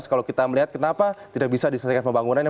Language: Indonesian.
kalau kita melihat kenapa tidak bisa diselesaikan pembangunannya